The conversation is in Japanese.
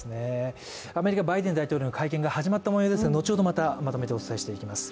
アメリカ、バイデン大統領の会見が始まったもようですのでまた後ほどまとめてお伝えしていきます。